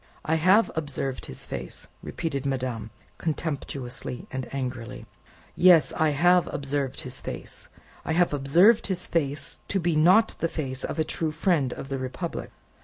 "I have observed his face!" repeated madame, contemptuously and angrily. "Yes. I have observed his face. I have observed his face to be not the face of a true friend of the Republic.